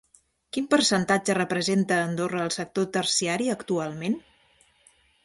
Quin percentatge representa a Andorra el sector terciari actualment?